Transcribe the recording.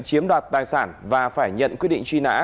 chiếm đoạt tài sản và phải nhận quyết định truy nã